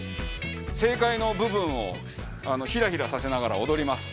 正解の部分をヒラヒラさせながら踊ります。